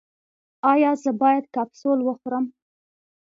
ایا زه باید کپسول وخورم؟